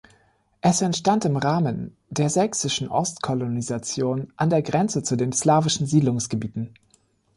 Es entstand im Rahmen der sächsischen Ostkolonisation an der Grenze zu den slawischen Siedlungsgebieten.